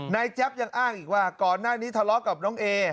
แจ๊บยังอ้างอีกว่าก่อนหน้านี้ทะเลาะกับน้องเอ